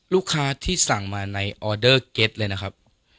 ลูกค้าที่สั่งมาในออเดอร์เก็ตเลยนะครับ